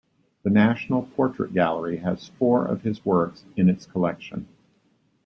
The National Portrait Gallery has four of his works in its collection.